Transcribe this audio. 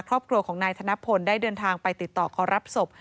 ครอบครัวของนายธนพลได้เดินทางไปติดต่อขอรับศพ